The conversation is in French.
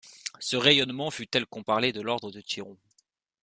Ce rayonnement fut tel qu'on parlait de l'ordre de Tiron.